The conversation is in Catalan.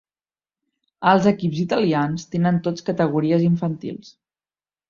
Els equips italians tenen tots categories infantils.